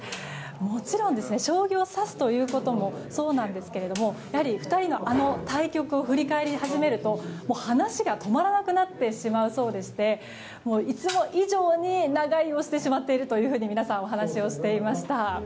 もちろん将棋を指すということもそうなんですがやはり２人のあの対局を振り返り始めると話が止まらなくなってしまうそうでしていつも以上に長居をしてしまっていると皆さん、お話をしていました。